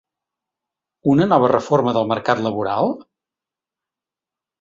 Una nova reforma del mercat laboral?